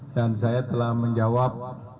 dan saya telah menjawab